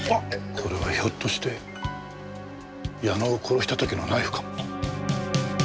これはひょっとして矢野を殺した時のナイフかも。